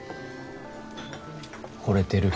ほれてる。